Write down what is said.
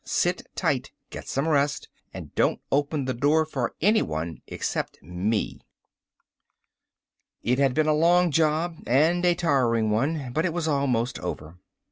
Sit tight. Get some rest. And don't open the door for anyone except me." It had been a long job and a tiring one but it was almost over.